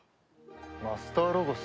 マスターロゴス？